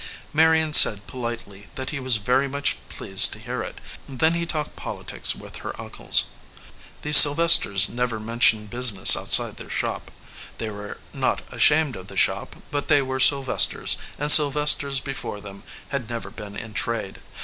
Marion said politely that he was very much pleased to hear it ; then he talked politics with her uncles. The Sylvesters never mentioned business outside their shop. They were not ashamed of the shop ; but they were Sylvesters, and Sylvesters be fore them had never been in trade.